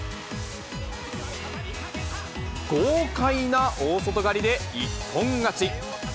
豪快な大外刈りで、一本勝ち。